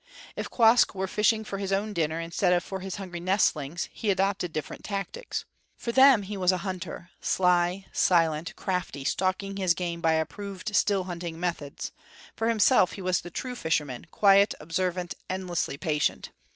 If Quoskh were fishing for his own dinner, instead of for his hungry nestlings, he adopted different tactics. For them he was a hunter, sly, silent, crafty, stalking his game by approved still hunting methods; for himself he was the true fisherman, quiet, observant, endlessly patient.